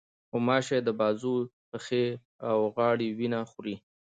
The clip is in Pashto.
غوماشې د بازو، پښې، او غاړې وینه خوري.